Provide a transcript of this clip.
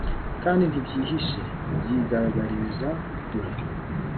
kandi ntibyihishe, byigaragariza kure